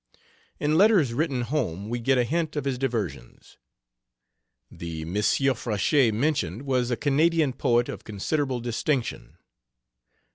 In letters written home we get a hint of his diversions. The Monsieur Frechette mentioned was a Canadian poet of considerable distinction.